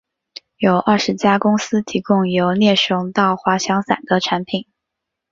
有二十家公司提供由猎熊到滑翔伞的产品。